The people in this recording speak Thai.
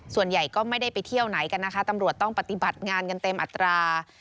ส่วนใหญ่ก็ไม่ได้ไปเที่ยวไหนกันนะคะตำรวจต้องปฏิบัติงานกันเต็มอัตรา